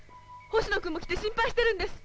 ホシノ君も来て心配してるんです。